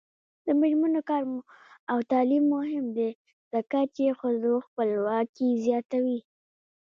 د میرمنو کار او تعلیم مهم دی ځکه چې ښځو خپلواکي زیاتوي.